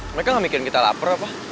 mereka gak mikirin kita lapar apa